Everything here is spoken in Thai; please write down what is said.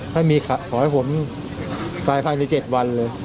ถ้ามีขอให้ผมตายภายในเจ็ดวันเลย